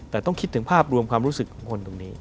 แต่ต้องคิดถึงภาพรวมความรู้สึกของคนตรงนี้